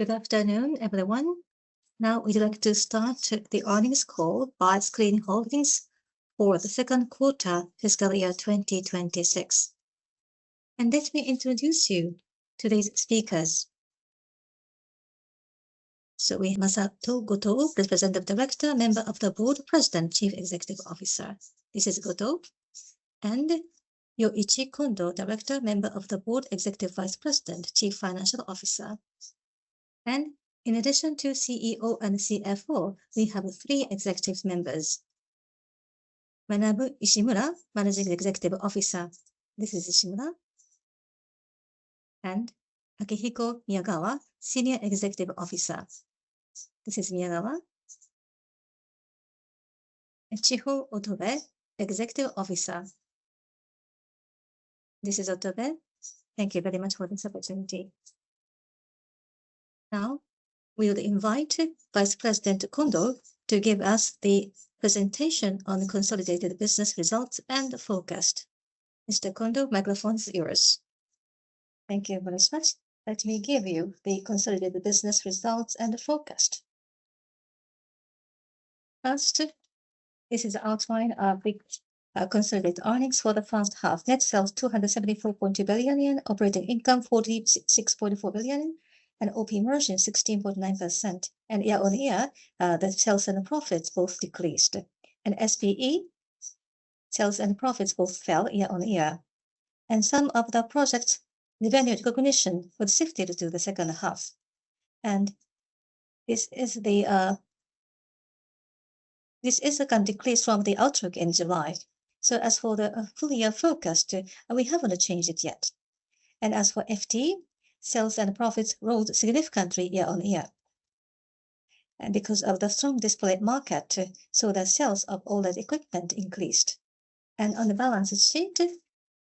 Good afternoon, everyone. Now, we'd like to start the earnings call by SCREEN Holdings for the second quarter fiscal year 2026. And let me introduce you to today's speakers, so Masato Goto, Representative Director, Member of the Board, President, Chief Executive Officer. This is Goto, and Yoshihisa Kondo, Director, Member of the Board, Executive Vice President, Chief Financial Officer. And in addition to CEO and CFO, we have three executive members: Manabu Ishimura, Managing Executive Officer. This is Ishimura, and Akihiko Miyagawa, Senior Executive Officer. This is Miyagawa. Etsuho Otobe, Executive Officer. This is Otobe. Thank you very much for this opportunity. Now, we would invite Vice President Kondo to give us the presentation on consolidated business results and forecast. Mr. Kondo, microphone is yours. Thank you very much. Let me give you the consolidated business results and forecast. First, this is the outline of consolidated earnings for the first half. Net sales: 274.2 billion yen, operating income: 46.4 billion yen, and operating margin: 16.9%. And year-on-year, the sales and profits both decreased. And SPE sales and profits both fell year-on-year. And some of the projects' revenue recognition was shifted to the second half. And this is the decrease from the outlook in July. So as for the full-year focus, we haven't changed it yet. And as for FT, sales and profits rose significantly year-on-year. And because of the strong display market, so the sales of all that equipment increased. And on the balance sheet,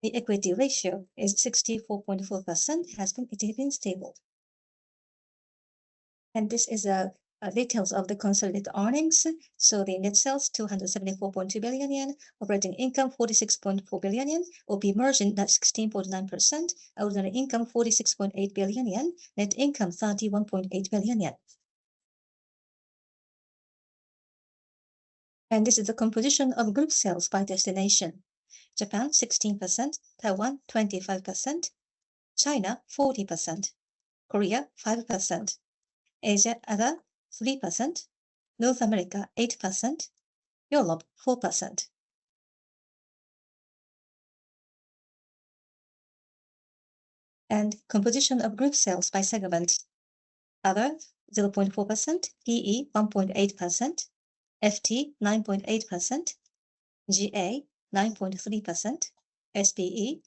the equity ratio is 64.4%, has been stable. And this is the details of the consolidated earnings. So the net sales: 274.2 billion yen, operating income: 46.4 billion yen, operating margin: 16.9%, ordinary income: 46.8 billion yen, net income: 31.8 billion yen. This is the composition of group sales by destination: Japan, 16%; Taiwan, 25%; China, 40%; Korea, 5%; Asia, other, 3%; North America, 8%; Europe, 4%. Composition of group sales by segment: other, 0.4%; PE, 1.8%; FT, 9.8%; GA, 9.3%; SPE,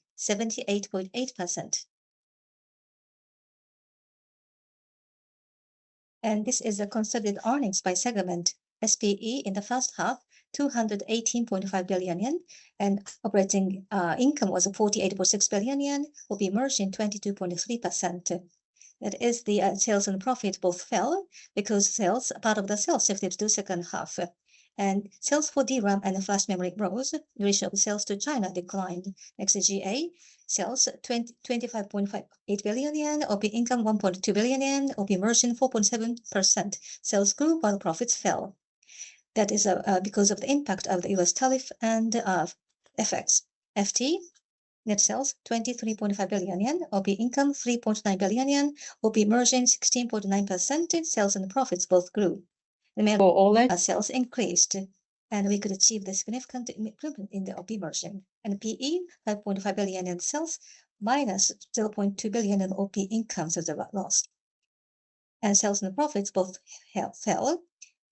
78.8%. This is the consolidated earnings by segment. SPE in the first half: 218.5 billion yen, and operating income was 48.6 billion yen, OP margin: 22.3%. That is, the sales and profit both fell because part of the sales shifted to the second half. Sales for DRAM and flash memory rose, ratio of sales to China declined. Next is GA, sales: 25.8 billion yen, OP income: 1.2 billion yen, OP margin: 4.7%. Sales grew while profits fell. That is because of the impact of the U.S. tariff and FX. FT, net sales: 23.5 billion yen, OP income: 3.9 billion yen, OP margin: 16.9%. Sales and profits both grew. The. For all sales increased, and we could achieve the significant improvement in the operating margin. PE, 5.5 billion in sales, minus 0.2 billion in OP income as a loss. Sales and profits both fell,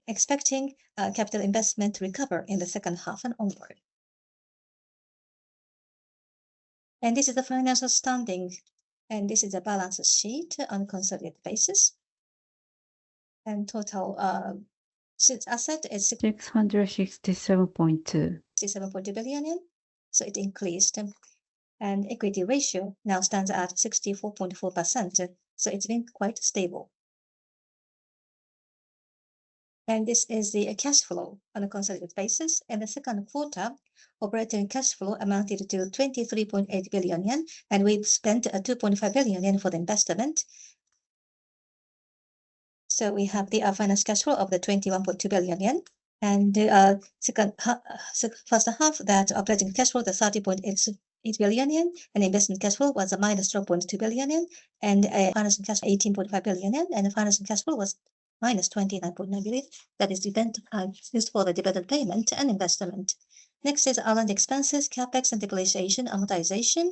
expecting capital investment to recover in the second half and onward. This is the financial standing. This is the balance sheet on a consolidated basis. Total asset is. 667.2 billion, so it increased, and equity ratio now stands at 64.4%, so it's been quite stable, and this is the cash flow on a consolidated basis. The second quarter operating cash flow amounted to 23.8 billion yen, and we've spent 2.5 billion yen for the investment, so we have the finance cash flow of 21.2 billion yen. And the first half, that operating cash flow, the 30.8 billion yen, and investment cash flow was -12.2 billion yen, and finance cash flow 18.5 billion yen, and the finance cash flow was -29.9 billion. That is used for the dividend payment and investment. Next is R&D expenses, CapEx, and depreciation and amortization.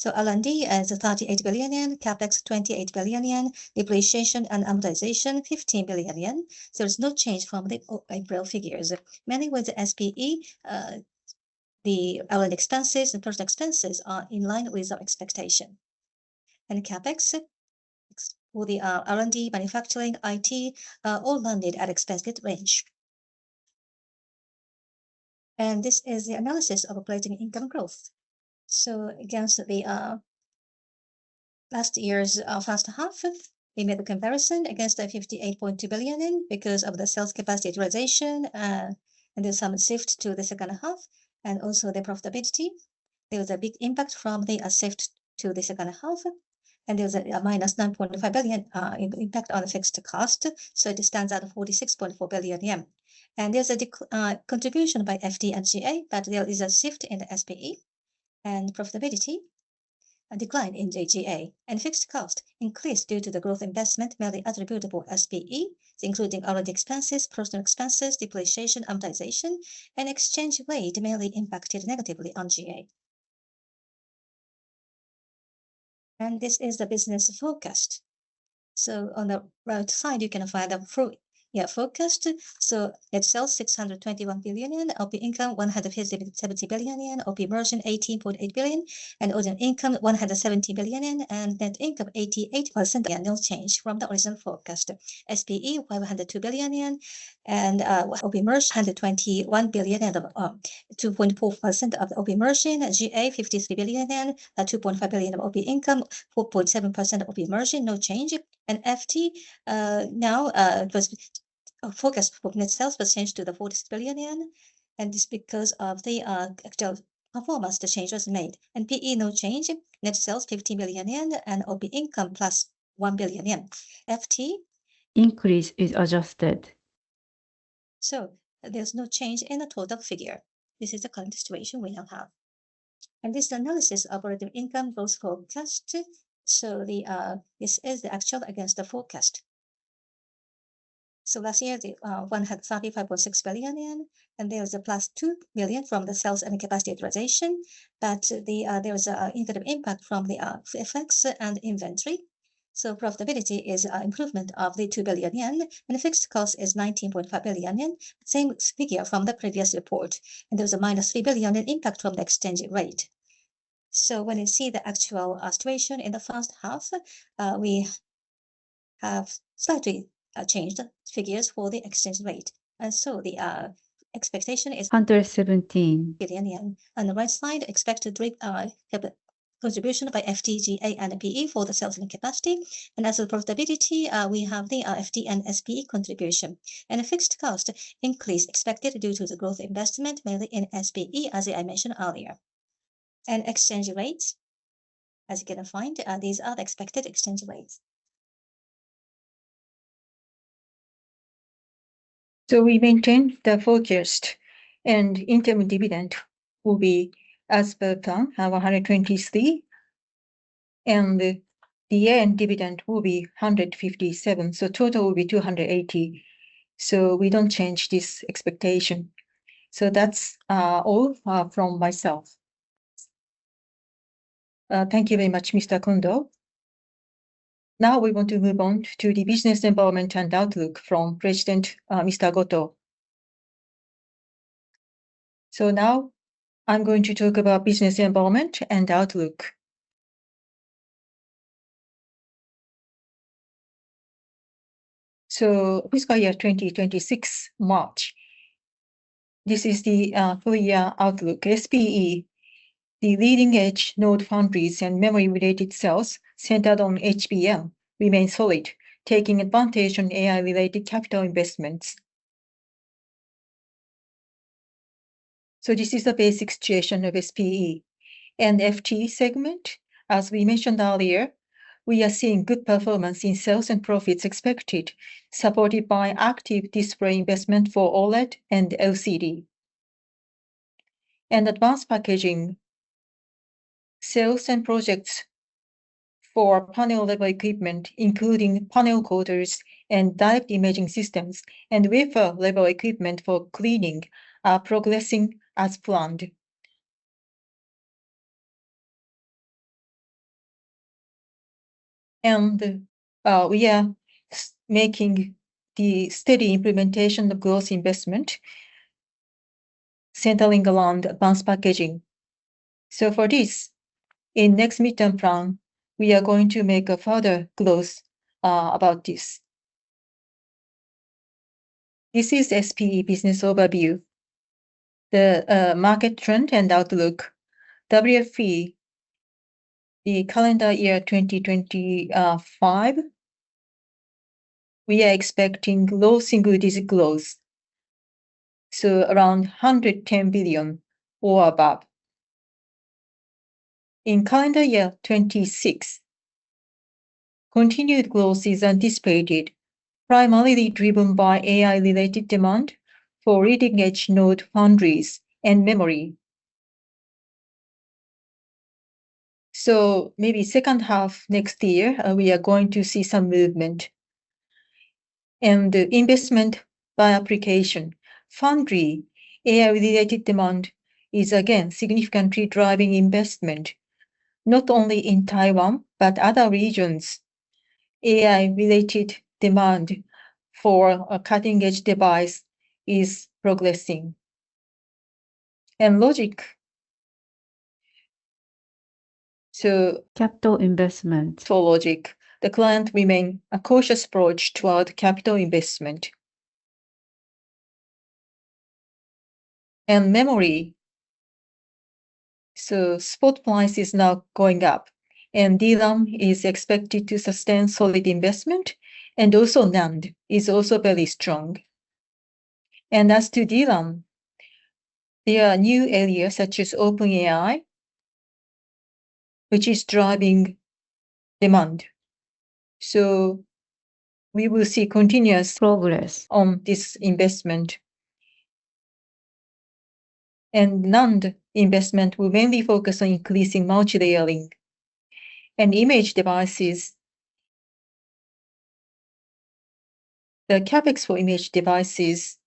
So R&D is 38 billion yen, CapEx 28 billion yen, depreciation and amortization 15 billion yen. There is no change from the April figures. Meaning with the SPE, the R&D expenses and personnel expenses are in line with our expectation. CapEx for the R&D, manufacturing, IT, all landed at expected range. This is the analysis of operating income growth. Against the last year's first half, we made a comparison against the 58.2 billion because of the sales capacity utilization, and the sum shift to the second half, and also the profitability. There was a big impact from the shift to the second half, and there was a -9.5 billion impact on fixed cost, so it stands at 46.4 billion yen. There's a contribution by FT and GA, but there is a shift in the SPE and profitability decline in GA. Fixed cost increased due to the growth investment, mainly attributable to SPE, including R&D expenses, personnel expenses, depreciation, amortization, and exchange rate mainly impacted negatively on GA. This is the business forecast. On the right side, you can find the focus. Net sales JPY 621 billion, operating profit JPY 157 billion, operating margin 18.8%, and ordinary income 170 billion yen, and net income 88 billion yen. No change from the original forecast. SPE 502 billion yen, and operating profit 121 billion yen, 2.4% operating margin. GA 53 billion yen, 2.5 billion of operating profit, 4.7% operating margin, no change. And FT now, forecast for net sales was changed to the 40 billion yen, and this is because of the actual performance the change was made. And PE no change, net sales 50 billion yen, and operating profit plus 1 billion yen. Increase is adjusted. So there's no change in the total figure. This is the current situation we now have. And this analysis of operating income forecast. So this is the actual against the forecast. So last year, the one had 35.6 billion yen, and there was a plus 2 billion from the sales and capacity utilization, but there was an incident impact from the FX and inventory. So profitability is an improvement of the 2 billion yen, and the fixed cost is 19.5 billion yen, same figure from the previous report. And there was a -3 billion impact from the exchange rate. So when you see the actual situation in the first half, we have slightly changed figures for the exchange rate. And so the expectation is. Under 17 Billion. On the right side, expected contribution by FT, GA, and PE for the sales and capacity. And as for profitability, we have the FT and SPE contribution. And the fixed cost increase expected due to the growth investment, mainly in SPE, as I mentioned earlier. And exchange rate, as you can find, these are the expected exchange rates. So we maintain the forecast, and interim dividend will be as per plan, 123, and the dividend will be 157. So total will be 280. So we don't change this expectation. So that's all from myself. Thank you very much, Mr. Kondo. Now we want to move on to the business environment and outlook from President Mr. Goto. So now I'm going to talk about business environment and outlook. So fiscal year 2026, March. This is the full-year outlook. SPE, the leading-edge node foundries and memory-related cells centered on HBM, remain solid, taking advantage of AI-related capital investments. So this is the basic situation of SPE. And FT segment, as we mentioned earlier, we are seeing good performance in sales and profits expected, supported by active display investment for OLED and LCD. Advanced packaging, sales and projects for panel-level equipment, including panel coaters and direct imaging systems, and wafer-level equipment for cleaning are progressing as planned, and we are making the steady implementation of growth investment, centering around advanced packaging. For this, in the next midterm plan, we are going to make a further disclose about this. This is SPE business overview. The market trend and outlook, WFE, the calendar year 2025, we are expecting low single-digit growth, so around 110 billion or above. In calendar year 2026, continued growth is anticipated, primarily driven by AI-related demand for leading-edge node foundries and memory. Maybe second half next year, we are going to see some movement, and investment by application. Foundry, AI-related demand is again significantly driving investment, not only in Taiwan, but other regions. AI-related demand for a cutting-edge device is progressing, and logic. Capital investment. For logic, the client remains a cautious approach toward capital investment. And memory. So spot price is now going up, and DRAM is expected to sustain solid investment, and also NAND is also very strong. And as to DRAM, there are new areas such as OpenAI, which is driving demand. So we will see continuous progress on this investment. And NAND investment will mainly focus on increasing multilayering and imaging devices. The CapEx for imaging devices,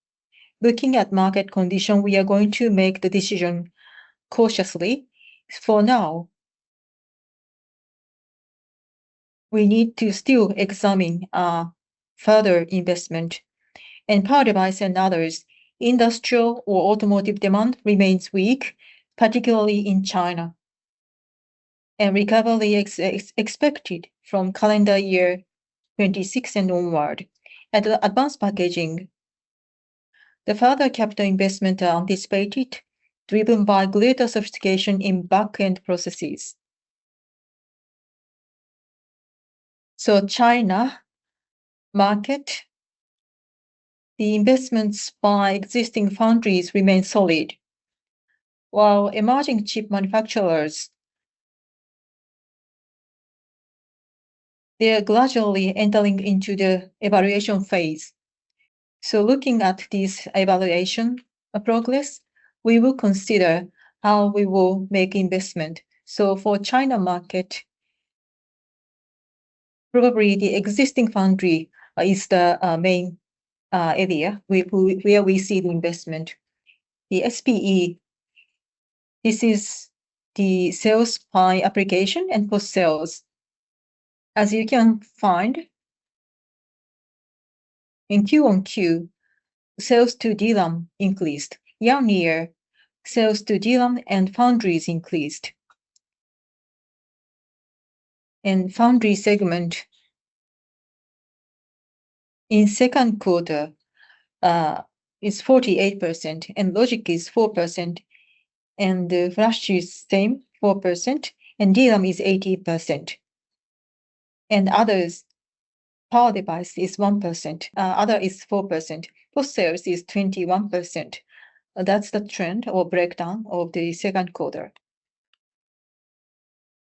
looking at market condition, we are going to make the decision cautiously. For now, we need to still examine further investment. And power devices and others, industrial or automotive demand remains weak, particularly in China. And recovery is expected from calendar year 2026 and onward. At the advanced packaging, the further capital investment anticipated, driven by greater sophistication in back-end processes. China market, the investments by existing foundries remain solid, while emerging chip manufacturers, they are gradually entering into the evaluation phase. Looking at this evaluation progress, we will consider how we will make investment. For China market, probably the existing foundry is the main area where we see the investment. The SPE, this is the sales by application and post-sales. As you can find, in Q1, sales to DRAM increased. Year-on-year, sales to DRAM and foundries increased. Foundry segment in second quarter is 48%, and logic is 4%, and flash is the same, 4%, and DRAM is 80%. Others, power device is 1%. Other is 4%. Post-sales is 21%. That's the trend or breakdown of the second quarter.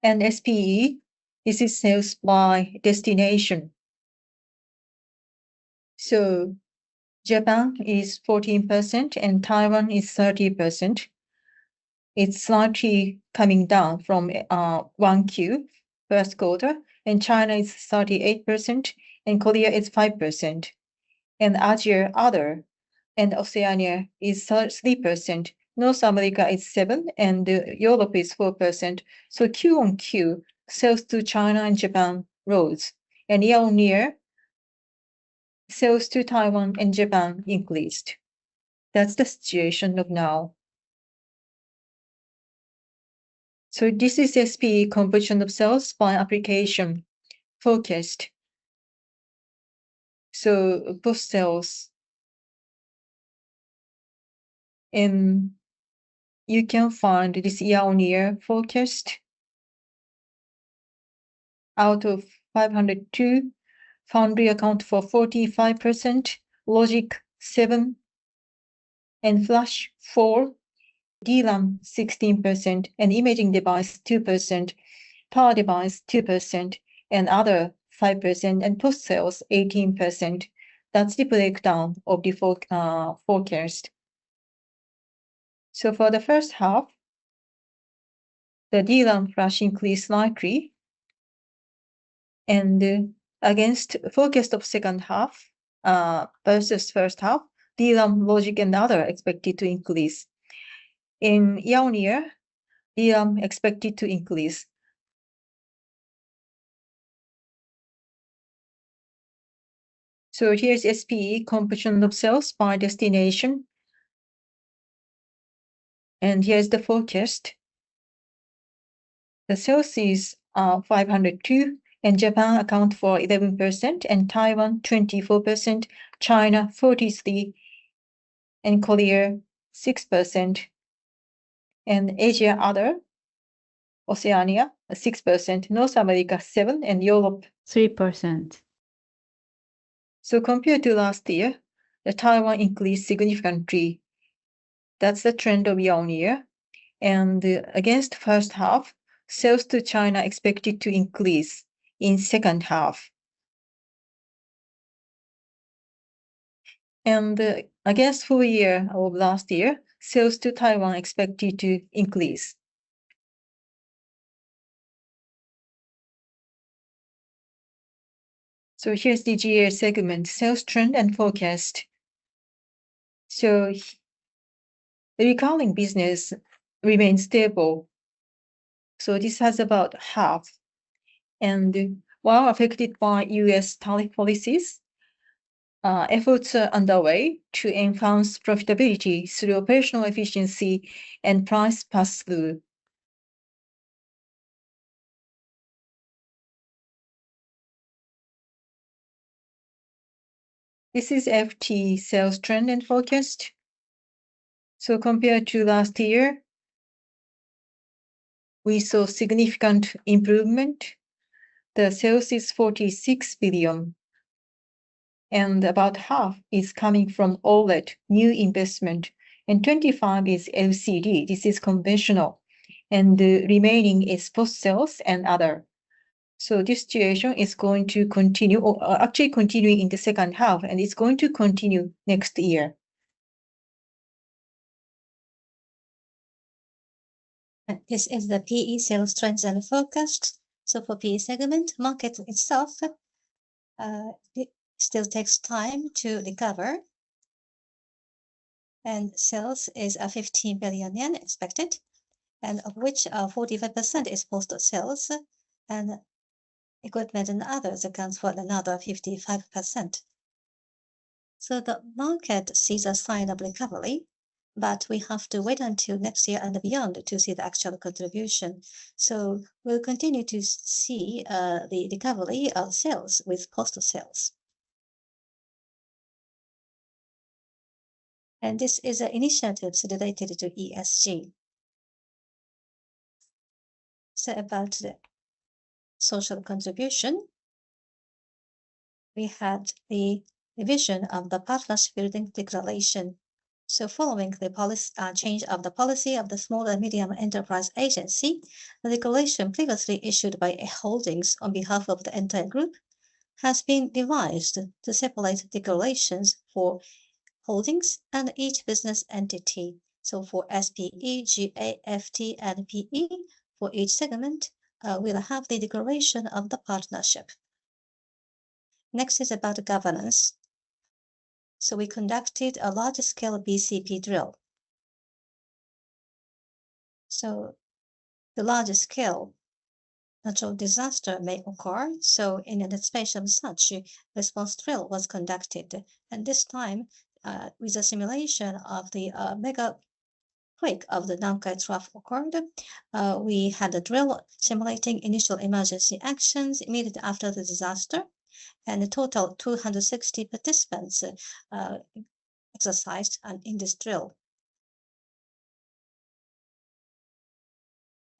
SPE, this is sales by destination. Japan is 14%, and Taiwan is 30%. It's slightly coming down from Q1, first quarter. China is 38%, and Korea is 5%. Asia, other, and Oceania is 3%. North America is 7%, and Europe is 4%. Q1 QoQ, sales to China and Japan rose. Year-on-year, sales to Taiwan and Japan increased. That's the situation of now. This is SPE composition of sales by application forecast. Post-sales. You can find this year-on-year forecast. Out of 502, foundry account for 45%, logic 7%, and flash 4%. DRAM 16%, and imaging device 2%, power device 2%, and other 5%, and post-sales 18%. That's the breakdown of the forecast. For the first half, the DRAM flash increased slightly. Against forecast of second half versus first half, DRAM, logic, and other expected to increase. Year-on-year, DRAM expected to increase. Here's SPE composition of sales by destination. Here's the forecast. The sales is 502 billion, and Japan account for 11%, and Taiwan 24%, China 43%, and Korea 6%. Asia other, Oceania 6%, North America 7%, and Europe 3%. Compared to last year, the Taiwan increased significantly. That's the trend of year-on-year. Against first half, sales to China expected to increase in second half. Against full year of last year, sales to Taiwan expected to increase. Here's the GA segment, sales trend and forecast. The coating business remains stable. This has about half. While affected by U.S. tariff policies, efforts are underway to enhance profitability through operational efficiency and price pass-through. This is FT sales trend and forecast. Compared to last year, we saw significant improvement. The sales is 46 billion. About half is coming from OLED, new investment. 25 billion is LCD. This is conventional. And the remaining is post-sales and other. So this situation is going to continue, or actually continuing in the second half, and it's going to continue next year. This is the PE sales trends and forecast. So for PE segment, market itself still takes time to recover. And sales is a 15 billion yen expected, and of which 45% is post-sales. And equipment and others accounts for another 55%. So the market sees a sign of recovery, but we have to wait until next year and beyond to see the actual contribution. So we'll continue to see the recovery of sales with post-sales. And this is an initiative related to ESG. So about the social contribution, we had the revision of the Partnership Building Declaration. Following the change of the policy of the Small and Medium Enterprise Agency, the declaration previously issued by Holdings on behalf of the entire group has been revised to separate declarations for Holdings and each business entity. For SPE, GA, FT, and PE, for each segment, we'll have the declaration of the partnership. Next is about governance. We conducted a large-scale BCP drill. The large-scale natural disaster may occur. In anticipation of such, a response drill was conducted. This time, with a simulation of the mega quake of the Nankai Trough occurred, we had a drill simulating initial emergency actions immediately after the disaster. A total of 260 participants exercised in this drill,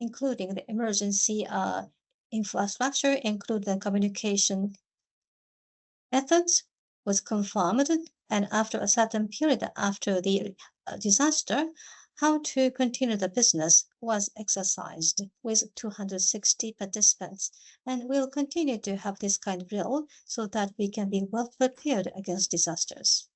and the emergency infrastructure, including the communication methods, was confirmed. After a certain period after the disaster, how to continue the business was exercised with 260 participants. We'll continue to have this kind of drill so that we can be well prepared against disasters.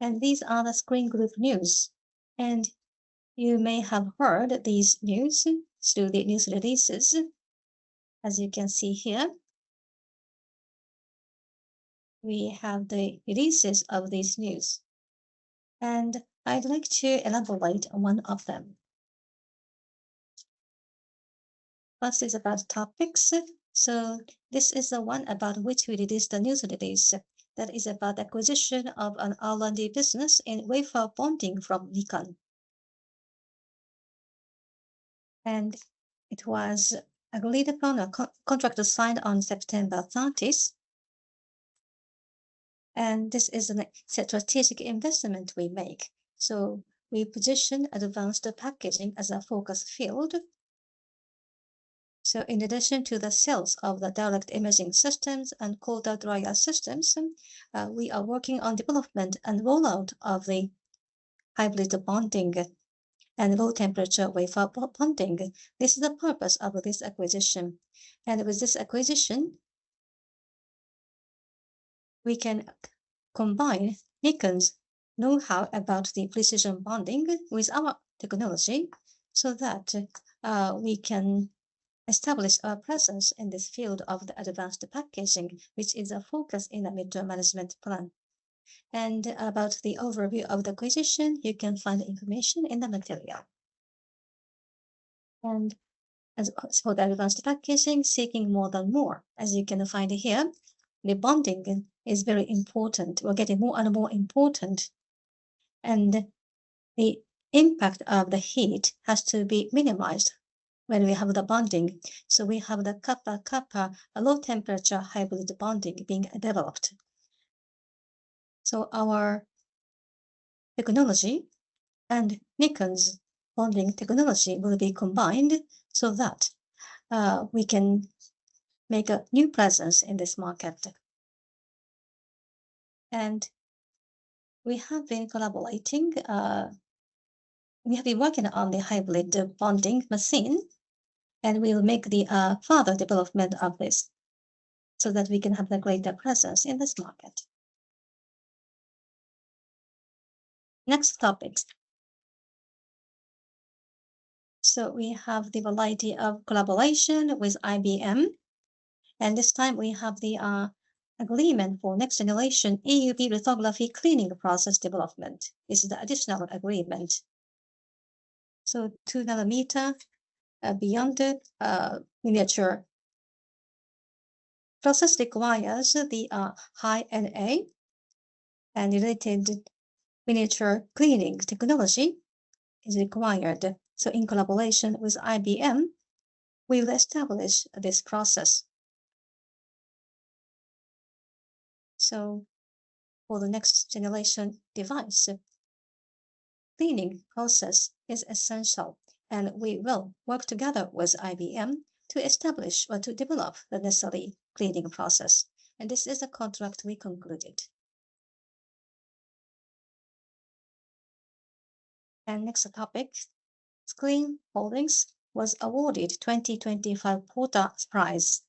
These are the SCREEN Group news. You may have heard these news through the news releases. As you can see here, we have the releases of these news. I'd like to elaborate on one of them. First is about topics. This is the one about which we released the news release. That is about the acquisition of an R&D business in wafer bonding from Nikon. It was agreed upon a contract to sign on September 30th. This is a strategic investment we make. We position advanced packaging as a focus field. In addition to the sales of the direct imaging systems and coater/developer systems, we are working on development and rollout of the hybrid bonding and low temperature wafer bonding. This is the purpose of this acquisition, and with this acquisition, we can combine Nikon's know-how about the precision bonding with our technology so that we can establish our presence in this field of the advanced packaging, which is a focus in the mid-term management plan, and about the overview of the acquisition, you can find information in the material, and for the advanced packaging, seeking More than Moore. As you can find here, the bonding is very important. It's getting more and more important, and the impact of the heat has to be minimized when we have the bonding, so we have the copper-copper low-temperature hybrid bonding being developed, so our technology and Nikon's bonding technology will be combined so that we can make a new presence in this market, and we have been collaborating. We have been working on the hybrid bonding machine, and we will make the further development of this so that we can have a greater presence in this market. Next topic, so we have the variety of collaboration with IBM, and this time, we have the agreement for next-generation EUV lithography cleaning process development. This is the additional agreement. So 2 nm beyond miniature process requires the High-NA, and related miniature cleaning technology is required. So in collaboration with IBM, we will establish this process. So for the next generation device, cleaning process is essential, and we will work together with IBM to establish or to develop the necessary cleaning process. And this is a contract we concluded. And next topic, SCREEN Holdings was awarded 2025 Porter Prize.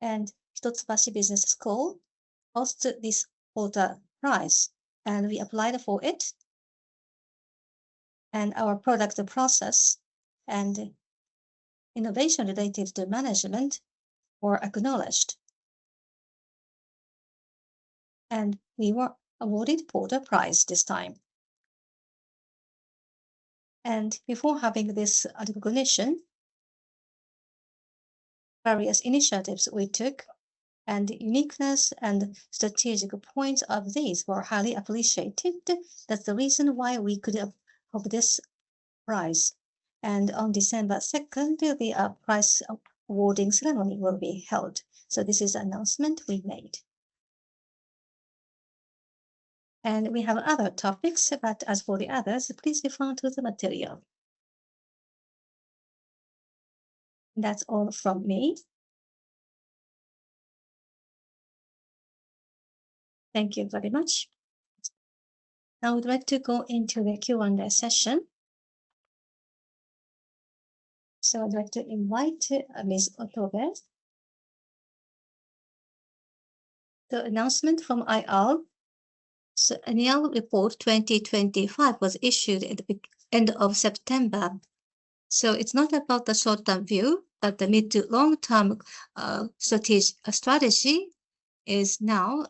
And Hitotsubashi University Business School hosted this Porter Prize, and we applied for it. Our product process and innovation related to management were acknowledged. We were awarded Porter Prize this time. Before having this recognition, various initiatives we took and uniqueness and strategic points of these were highly appreciated. That's the reason why we could have this prize. On December 2nd, the prize awarding ceremony will be held. This is the announcement we made. We have other topics, but as for the others, please refer to the material. That's all from me. Thank you very much. Now I would like to go into the Q&A session. I'd like to invite Ms. Otobe. The announcement from IR. The Annual Report 2025 was issued at the end of September. It's not about the short-term view, but the mid-to-long-term strategy is now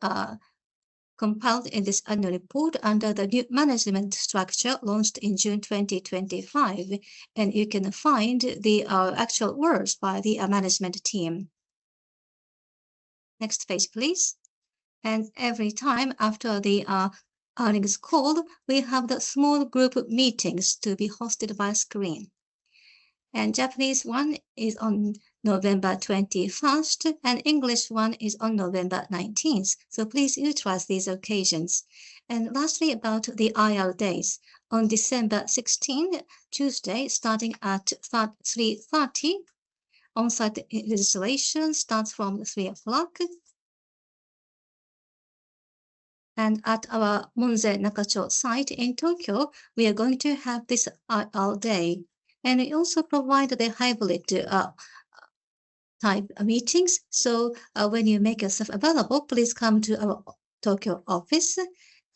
compiled in this annual report under the new management structure launched in June 2025. You can find the actual words by the management team. Next page, please. Every time after the earnings call, we have the small group meetings to be hosted by SCREEN. The Japanese one is on November 21st, and English one is on November 19th. Please utilize these occasions. Lastly, about the IR Day. On December 16th, Tuesday, starting at 3:30 P.M., on-site registration starts from 3:00 P.M. At our Monzen-Nakacho site in Tokyo, we are going to have this IR Day. We also provide the hybrid type meetings. When you make yourself available, please come to our Tokyo office.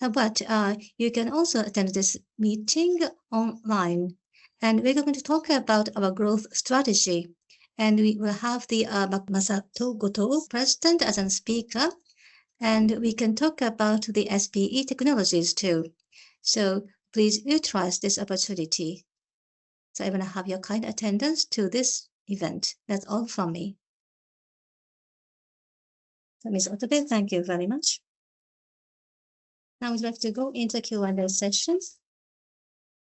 You can also attend this meeting online. We're going to talk about our growth strategy. We will have the Masato Goto, President, as a speaker. We can talk about the SPE technologies too. Please utilize this opportunity. So I want to have your kind attention to this event. That's all from me. So Ms. Otobe, thank you very much. Now we'd like to go into Q&A session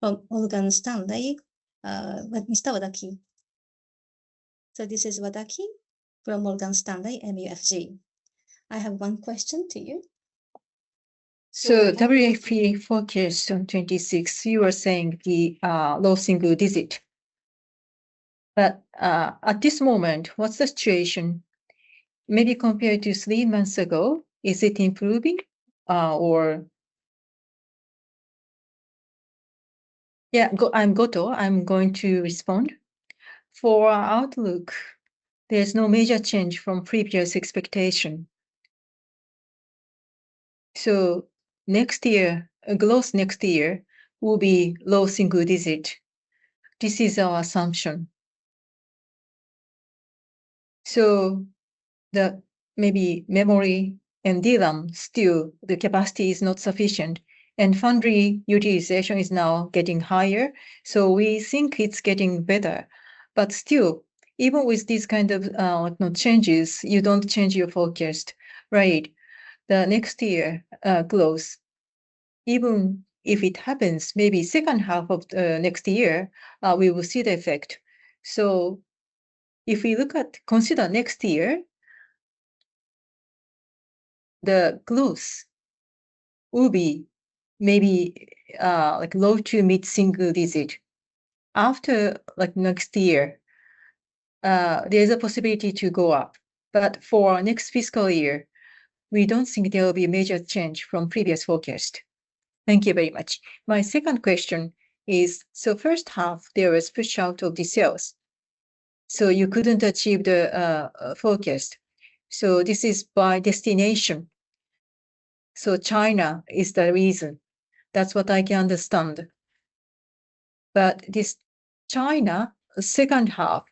from Morgan Stanley. Mr. Wadaki. So this is Wadaki from Morgan Stanley MUFG. I have one question to you. WFE focused on 2026, you were saying the low single digit. But at this moment, what's the situation? Maybe compared to three months ago, is it improving or? Yeah, I'm Goto. I'm going to respond. For our outlook, there's no major change from previous expectation. Overall next year will be low single digit. This is our assumption. So the memory, maybe DRAM, still the capacity is not sufficient. And foundry utilization is now getting higher. So we think it's getting better. But still, even with these kind of changes, you don't change your forecast, right? Next year's growth. Even if it happens, maybe second half of next year, we will see the effect. So if we look at, consider next year, the growth will be maybe like low to mid single digit. After, like, next year, there's a possibility to go up. But for next fiscal year, we don't think there will be a major change from previous forecast. Thank you very much. My second question is, so first half, there was push out of the sales. So you couldn't achieve the forecast. So this is by destination. So China is the reason. That's what I can understand. But this China, second half,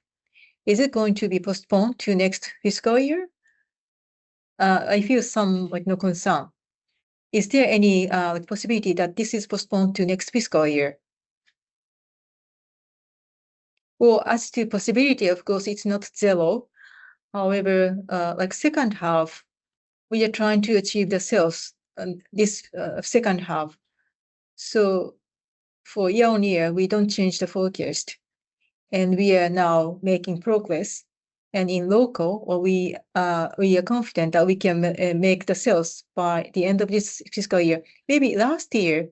is it going to be postponed to next fiscal year? I feel some concern. Is there any possibility that this is postponed to next fiscal year? Well, as to possibility, of course, it's not zero. However, like second half, we are trying to achieve the sales this second half. So for year-on-year, we don't change the forecast. And we are now making progress. And in total, we are confident that we can make the sales by the end of this fiscal year. Maybe last year,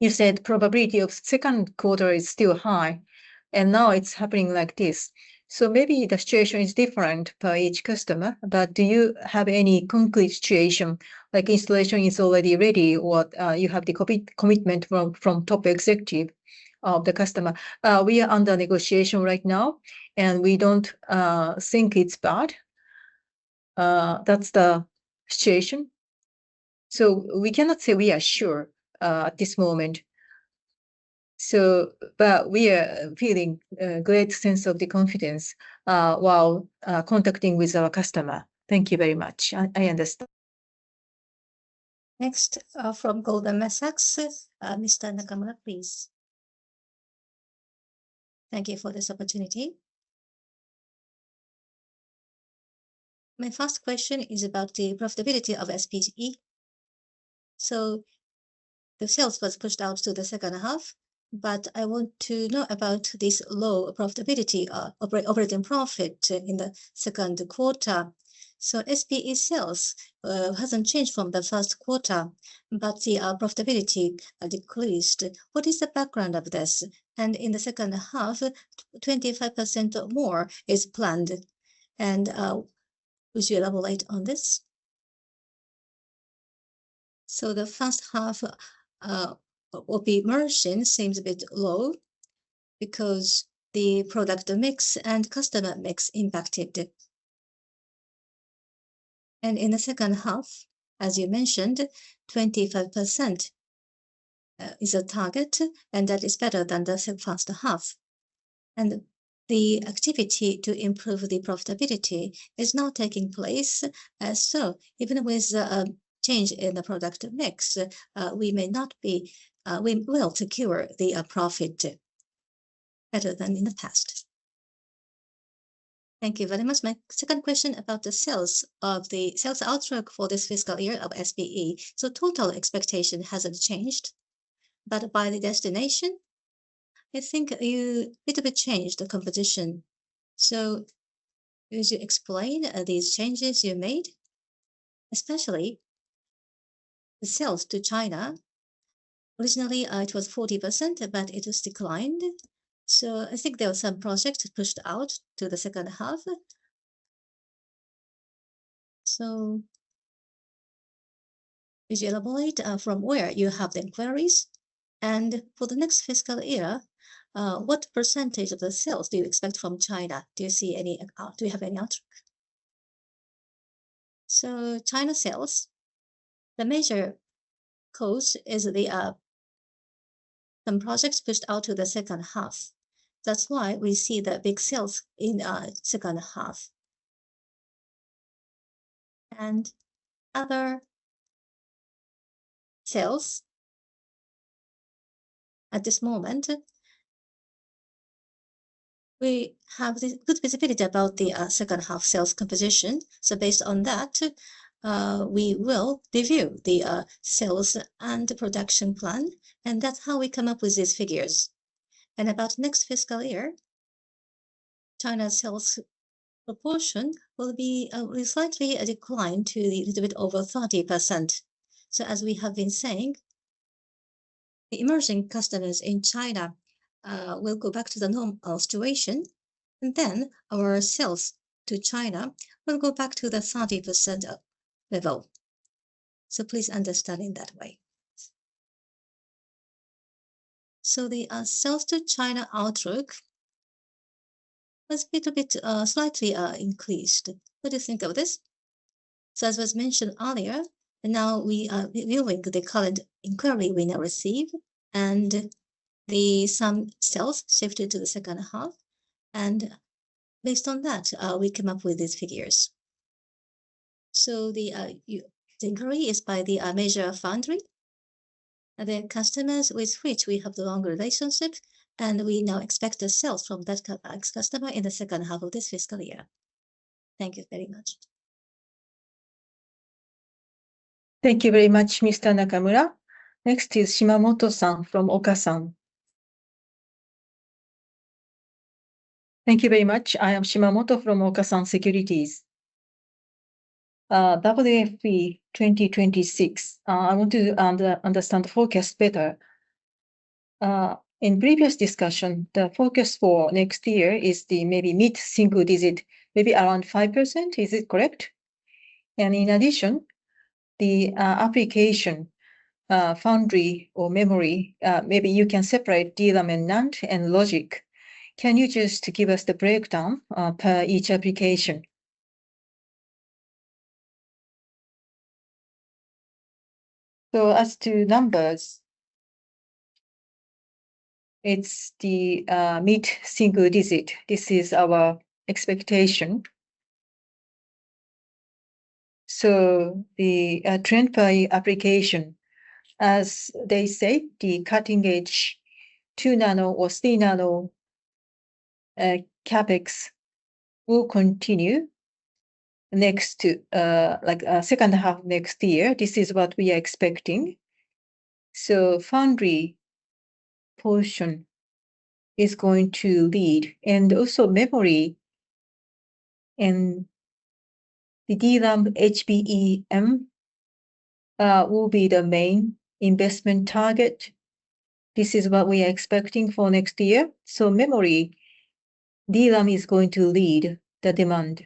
you said probability of second quarter is still high. And now it's happening like this. So maybe the situation is different for each customer. But do you have any concrete situation? Like installation is already ready or you have the commitment from top executive of the customer. We are under negotiation right now, and we don't think it's bad. That's the situation. So we cannot say we are sure at this moment. But we are feeling a great sense of the confidence while contacting with our customer. Thank you very much. I understand. Next from Goldman Sachs. Mr. Nakamura, please. Thank you for this opportunity. My first question is about the profitability of SPE. So the sales was pushed out to the second half, but I want to know about this low profitability operating profit in the second quarter. So SPE sales hasn't changed from the first quarter, but the profitability decreased. What is the background of this? And in the second half, 25% more is planned. And would you elaborate on this? So the first half margin seems a bit low because the product mix and customer mix impacted. And in the second half, as you mentioned, 25% is a target, and that is better than the first half. And the activity to improve the profitability is now taking place. Even with a change in the product mix, we will secure the profit better than in the past. Thank you very much. My second question is about the sales outlook for this fiscal year of SPE. Total expectation hasn't changed, but by the destination, I think there's a bit of a change in the composition. As you explain these changes you made, especially the sales to China, originally it was 40%, but it has declined. I think there were some projects pushed out to the second half. Would you elaborate from where you have the inquiries? And for the next fiscal year, what percentage of the sales do you expect from China? Do you have any outlook? China sales, the major cause is some projects pushed out to the second half. That's why we see the big sales in second half, and other sales, at this moment, we have good visibility about the second half sales composition, so based on that, we will review the sales and production plan, and that's how we come up with these figures, and about next fiscal year, China's sales proportion will be slightly a decline to a little bit over 30%, so as we have been saying, the emerging customers in China will go back to the normal situation, and then our sales to China will go back to the 30% level, so please understand in that way, so the sales to China outlook has a little bit slightly increased. What do you think of this, so as was mentioned earlier, now we are reviewing the current inquiry we now receive and the some sales shifted to the second half. Based on that, we come up with these figures. The inquiry is by the major foundry, the customers with which we have the long relationship, and we now expect the sales from that customer in the second half of this fiscal year. Thank you very much. Thank you very much, Mr. Nakamura. Next is Shimamoto-san from Okasan. Thank you very much. I am Shimamoto from Okasan Securities. WFE 2026. I want to understand the forecast better. In previous discussion, the focus for next year is the maybe mid single digit, maybe around 5%. Is it correct? And in addition, the application foundry or memory, maybe you can separate DRAM and NAND and logic. Can you just give us the breakdown per each application? So as to numbers, it's the mid single digit. This is our expectation. So the trend by application, as they say, the cutting edge 2 nm or 3 nm CapEx will continue next to like second half next year. This is what we are expecting. So foundry portion is going to lead. And also memory and the DRAM HBM will be the main investment target. This is what we are expecting for next year. So memory, DRAM is going to lead the demand.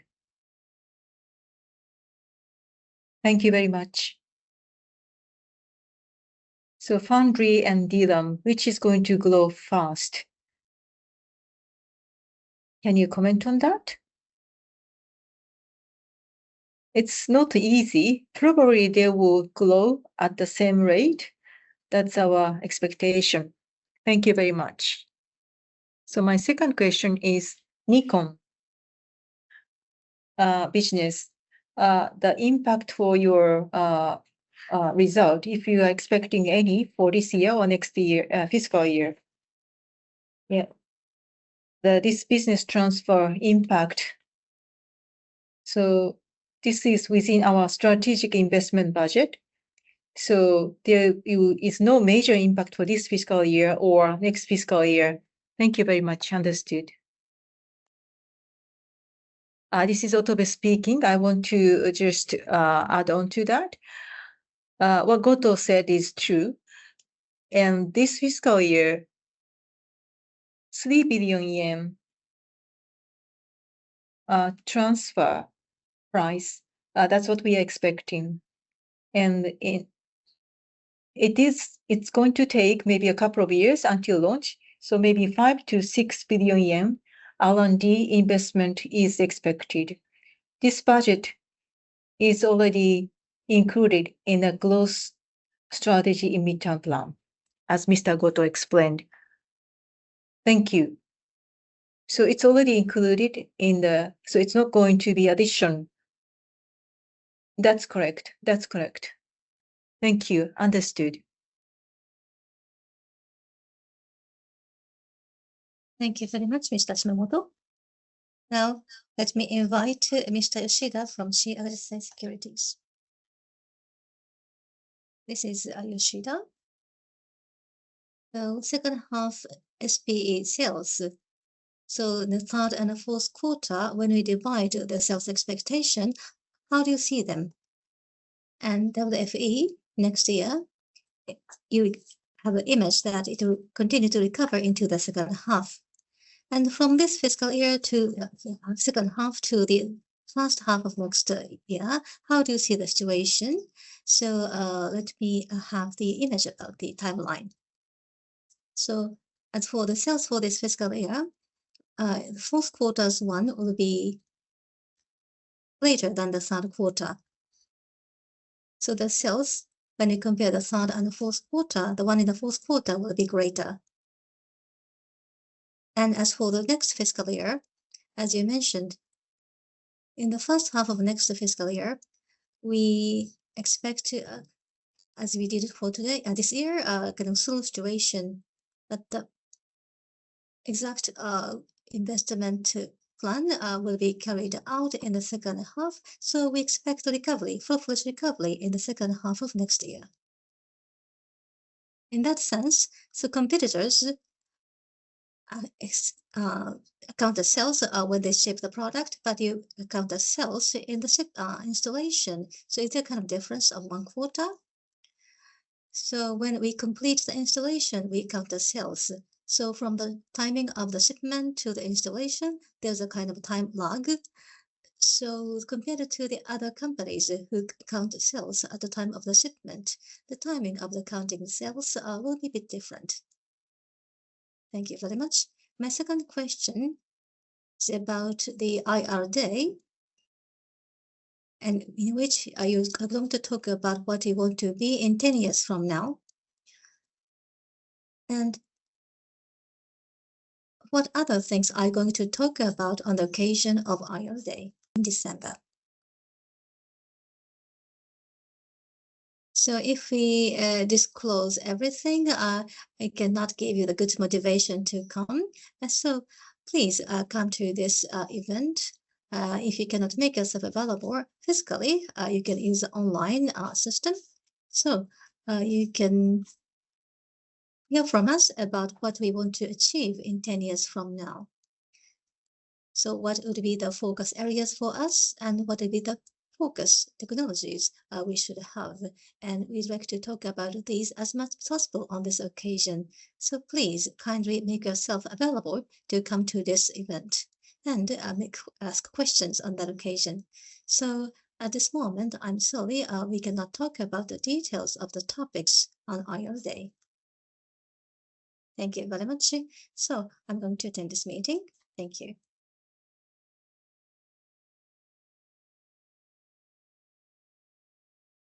Thank you very much. So foundry and DRAM, which is going to grow fast? Can you comment on that? It's not easy. Probably they will grow at the same rate. That's our expectation. Thank you very much. So my second question is Nikon business, the impact for your result, if you are expecting any for this year or next year fiscal year. Yeah. This business transfer impact. So this is within our strategic investment budget. So there is no major impact for this fiscal year or next fiscal year. Thank you very much. Understood. This is Otobe speaking. I want to just add on to that. What Goto said is true. And this fiscal year, JPY 3 billion transfer price, that's what we are expecting. It's going to take maybe a couple of years until launch. Maybe 5 billion-6 billion yen R&D investment is expected. This budget is already included in the growth strategy in mid-term plan, as Mr. Goto explained. Thank you. It's already included, so it's not going to be additional. That's correct. That's correct. Thank you. Understood. Thank you very much, Mr. Shimamoto. Now, let me invite Mr. Yoshida from CLSA Securities. This is Yoshida. So second half SPE sales. So the third and the fourth quarter, when we divide the sales expectation, how do you see them? And WFE next year, you have an image that it will continue to recover into the second half. And from this fiscal year second half to the first half of next year, how do you see the situation? So let me have the image of the timeline. So as for the sales for this fiscal year, the fourth quarter's one will be greater than the third quarter. So the sales, when you compare the third and the fourth quarter, the one in the fourth quarter will be greater. As for the next fiscal year, as you mentioned, in the first half of next fiscal year, we expect to, as we did for today, this year, consolidation. The exact investment plan will be carried out in the second half. We expect the recovery, full-fledged recovery in the second half of next year. In that sense, competitors account the sales when they ship the product, but you account the sales in the installation. It is a kind of difference of one quarter. When we complete the installation, we count the sales. From the timing of the shipment to the installation, there is a kind of time lag. Compared to the other companies who count the sales at the time of the shipment, the timing of the counting sales will be a bit different. Thank you very much. My second question is about the IR day, in which I am going to talk about what you want to be in 10 years from now. What other things are you going to talk about on the occasion of IR day in December? So if we disclose everything, I cannot give you the good motivation to come. So please come to this event. If you cannot make yourself available physically, you can use the online system. So you can hear from us about what we want to achieve in 10 years from now. So what would be the focus areas for us and what would be the focus technologies we should have? And we'd like to talk about these as much as possible on this occasion. So please kindly make yourself available to come to this event and ask questions on that occasion. At this moment, I'm sorry, we cannot talk about the details of the topics on IR day. Thank you very much. I'm going to attend this meeting. Thank you.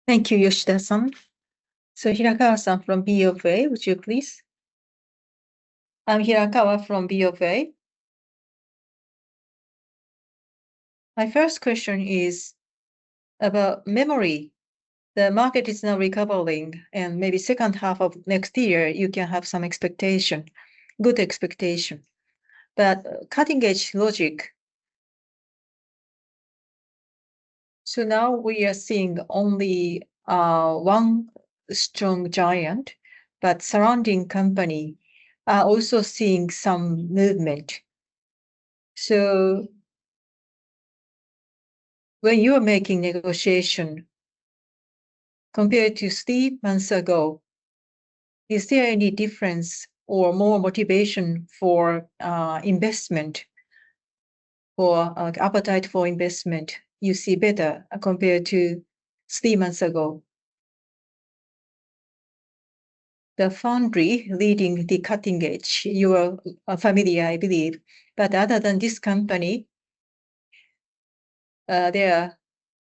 Thank you, Yoshida-san. So Hirakawa-san from BofA, would you please? I'm Hirakawa from BofA. My first question is about memory. The market is now recovering, and maybe second half of next year, you can have some expectation, good expectation. But cutting edge logic. So now we are seeing only one strong giant, but surrounding company are also seeing some movement. So when you are making negotiation compared to three months ago, is there any difference or more motivation for investment, for appetite for investment you see better compared to three months ago? The foundry leading the cutting edge, you are familiar, I believe. But other than this company, there are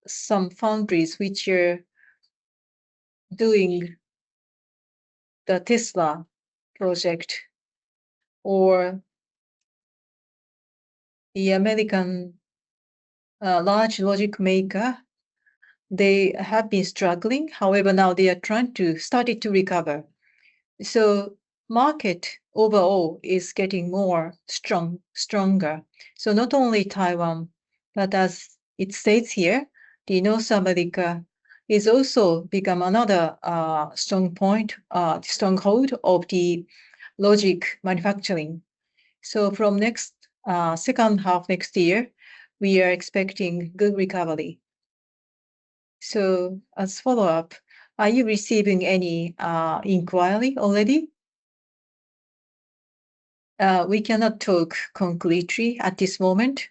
some foundries which are doing the Tesla project or the American large logic maker. They have been struggling. However, now they are trying to start to recover. So market overall is getting more strong, stronger. So not only Taiwan, but as it states here, North America is also become another strong point, stronghold of the logic manufacturing. So from next second half next year, we are expecting good recovery. So as follow-up, are you receiving any inquiry already? We cannot talk concretely at this moment.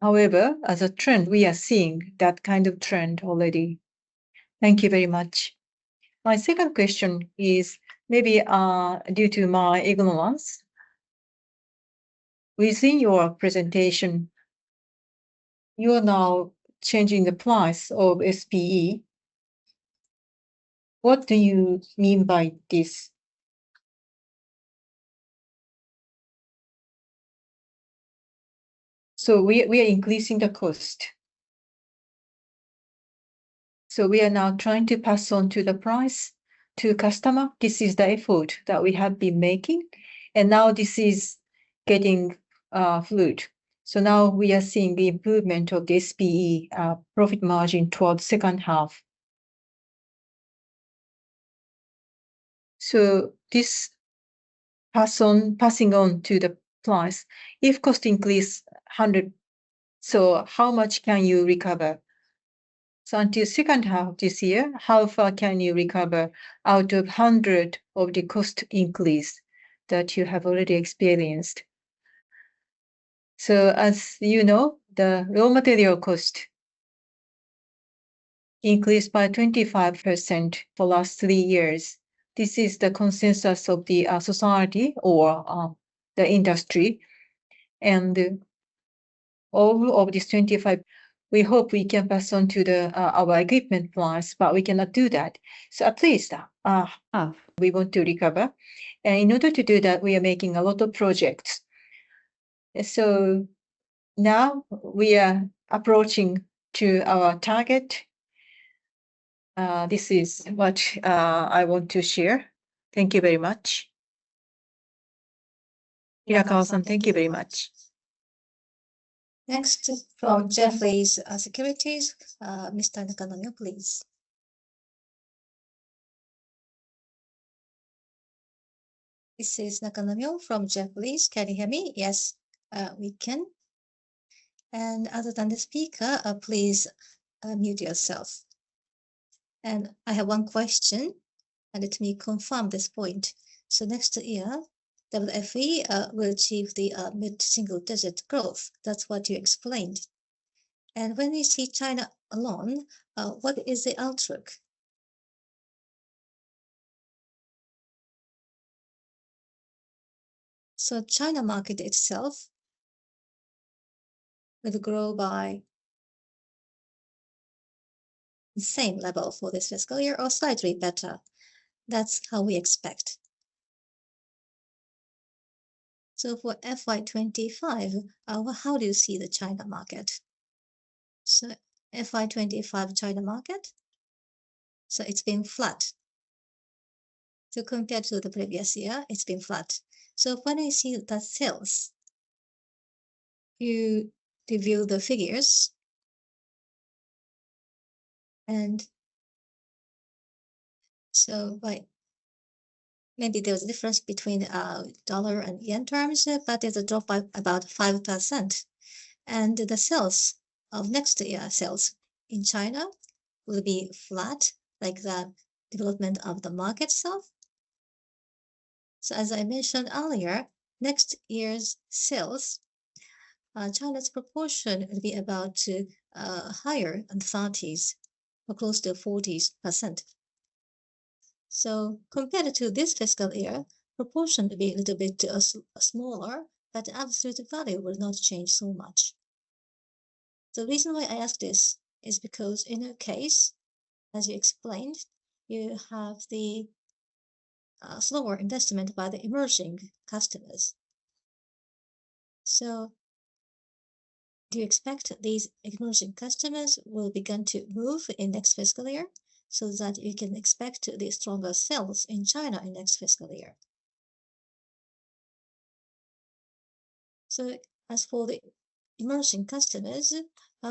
However, as a trend, we are seeing that kind of trend already. Thank you very much. My second question is maybe due to my ignorance. Within your presentation, you are now changing the price of SPE. What do you mean by this? So we are increasing the cost. So we are now trying to pass on the cost to the customer. This is the effort that we have been making. And now this is bearing fruit. So now we are seeing the improvement of the SPE profit margin toward the second half. So this passing on to the price, if cost increase 100, so how much can you recover? So until second half of this year, how far can you recover out of 100 of the cost increase that you have already experienced? So as you know, the raw material cost increased by 25% for the last three years. This is the consensus of the society or the industry. And all of this 25%. We hope we can pass on to our equipment price, but we cannot do that. So at least half. We want to recover. And in order to do that, we are making a lot of projects. So now we are approaching to our target. This is what I want to share. Thank you very much. Hirakawa-san, thank you very much. Next from Jefferies. Mr. Nakanomyo, please. This is Nakanomyo from Jefferies. Can you hear me? Yes, we can. And other than the speaker, please mute yourself. And I have one question, and let me confirm this point. So next year, WFE will achieve the mid single digit growth. That's what you explained. And when we see China alone, what is the outlook? So China market itself will grow by the same level for this fiscal year or slightly better. That's how we expect. So for FY2025, how do you see the China market? So FY2025 China market, so it's been flat. So compared to the previous year, it's been flat. So when we see the sales, you review the figures. And so maybe there's a difference between dollar and yen terms, but there's a drop by about 5%. The sales of next year sales in China will be flat, like the development of the market itself. So as I mentioned earlier, next year's sales, China's proportion will be about to higher and 30s or close to 40%. So compared to this fiscal year, proportion will be a little bit smaller, but absolute value will not change so much. The reason why I ask this is because in your case, as you explained, you have the slower investment by the emerging customers. So do you expect these emerging customers will begin to move in next fiscal year so that you can expect the stronger sales in China in next fiscal year? So as for the emerging customers,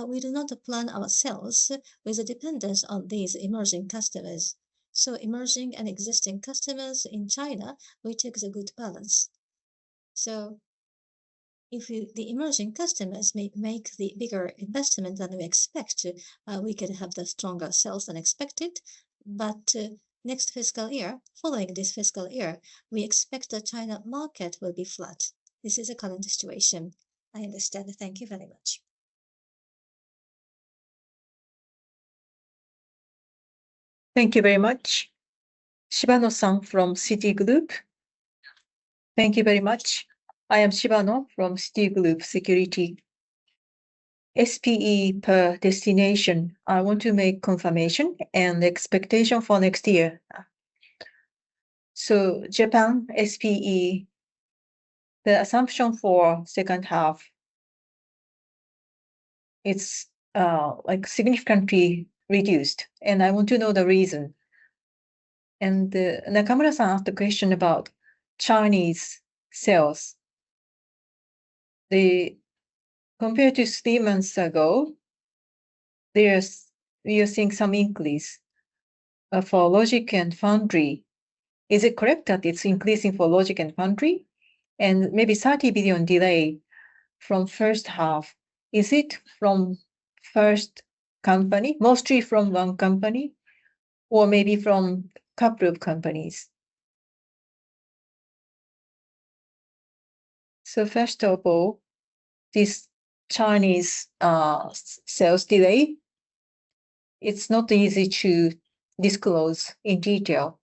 we do not plan ourselves with a dependence on these emerging customers. So emerging and existing customers in China, we take the good balance. So if the emerging customers make the bigger investment than we expect, we can have the stronger sales than expected. But next fiscal year, following this fiscal year, we expect the China market will be flat. This is the current situation. I understand. Thank you very much. Thank you very much. Shibano-san from Citigroup. Thank you very much. I am Shibano from Citigroup Securities. SPE per destination, I want to make confirmation and expectation for next year. So Japan SPE, the assumption for second half, it's significantly reduced. And I want to know the reason. And Nakamura-san asked a question about Chinese sales. Compared to three months ago, you're seeing some increase for logic and foundry. Is it correct that it's increasing for logic and foundry? And maybe 30 billion delay from first half. Is it from first company, mostly from one company, or maybe from a couple of companies? So first of all, this Chinese sales delay, it's not easy to disclose in detail.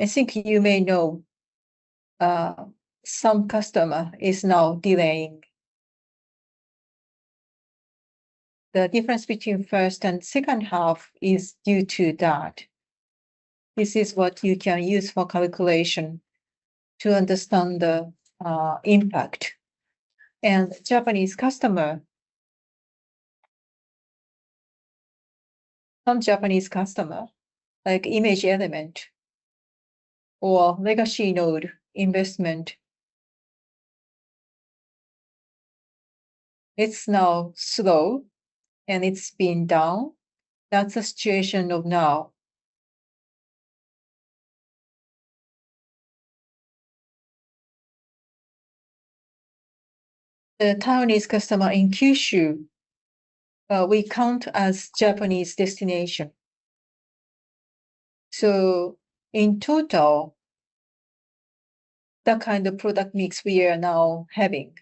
I think you may know some customer is now delaying. The difference between first and second half is due to that. This is what you can use for calculation to understand the impact. Japanese customer, some Japanese customer, like image element or legacy node investment, it's now slow and it's been down. That's the situation of now. The Taiwanese customer in Kyushu, we count as Japanese destination. In total, that kind of product mix we are now having.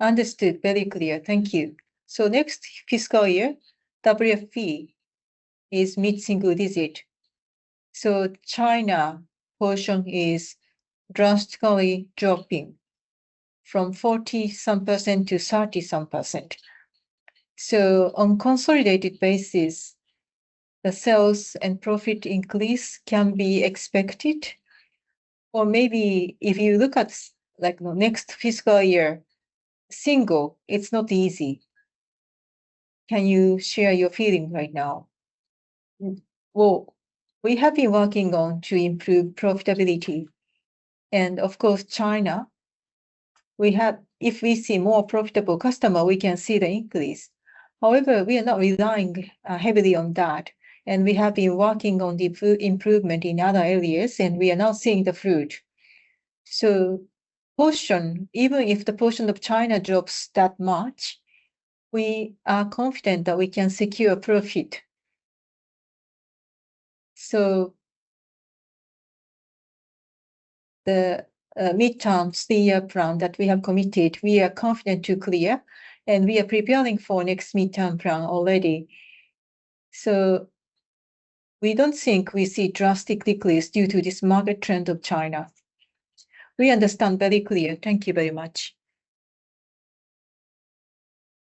Understood. Very clear. Thank you. Next fiscal year, WFE is mid single digit. China portion is drastically dropping from 40-some percent to 30-some percent. On consolidated basis, the sales and profit increase can be expected. Maybe if you look at the next fiscal year, single, it's not easy. Can you share your feeling right now? We have been working on to improve profitability. Of course, China, if we see more profitable customer, we can see the increase. However, we are not relying heavily on that. And we have been working on the improvement in other areas, and we are now seeing the fruit. So portion, even if the portion of China drops that much, we are confident that we can secure profit. So the mid-term three-year plan that we have committed, we are confident to clear, and we are preparing for next mid-term plan already. So we don't think we see drastic decrease due to this market trend of China. We understand very clear. Thank you very much.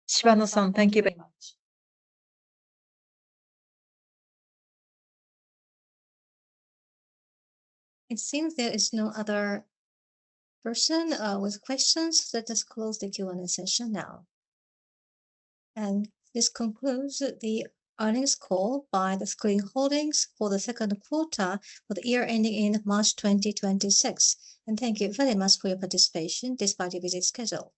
Shibano-san, thank you very much. It seems there is no other person with questions. Let us close the Q&A session now. This concludes the earnings call by SCREEN Holdings for the second quarter for the year ending in March 2026. Thank you very much for your participation despite your busy schedule.